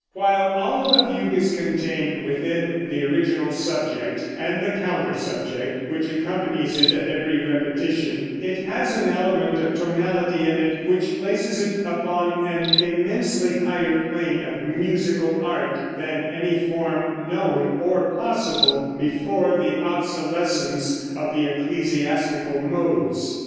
While all of a fugue is contained within the original subject, and the counter subject, which accompanies it at every repetition, it has an element of tonality in it which places it upon an immensely higher plane of musical art than any form known, or possible, before the obsolescence of the ecclesiastical modes.